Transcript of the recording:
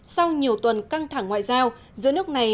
sau nhiều tuần căng thẳng ngoại giao giữa nước này